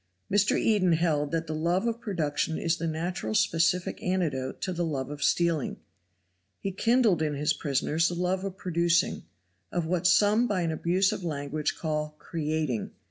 Mr. Eden held that the love of production is the natural specific antidote to the love of stealing. He kindled in his prisoners the love of producing, of what some by an abuse of language call "creating."